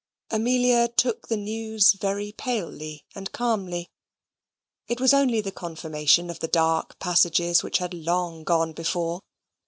Amelia took the news very palely and calmly. It was only the confirmation of the dark presages which had long gone before.